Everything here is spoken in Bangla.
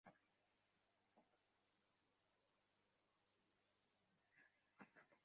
তোমার কাছে একদিন আছে আমাদের লন্সেস্টনে নিয়ে যাওয়ার জন্য, ঠিকাছে?